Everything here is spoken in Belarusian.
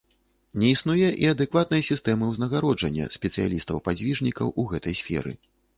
Не існуе і адэкватнай сістэмы ўзнагароджання спецыялістаў-падзвіжнікаў у гэтай сферы.